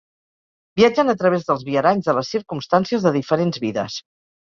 Viatgen a través dels viaranys de les circumstàncies de diferents vides.